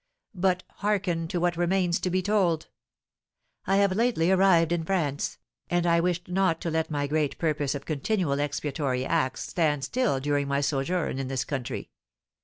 But hearken to what remains to be told; I have lately arrived in France, and I wished not to let my great purpose of continual expiatory acts stand still during my sojourn in this country.